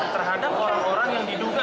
terhadap orang orang yang diduga